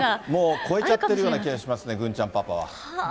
もう超えちゃってるような気がしますね、郡ちゃんパパは。